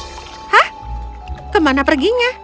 hah kemana perginya